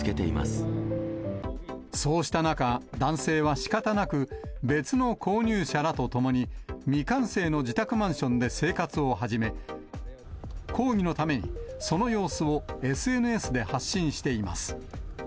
そうした中、男性はしかたなく、別の購入者らと共に、未完成の自宅マンションで生活を始め、抗議のために、その様子をＳＮＳで発信しています。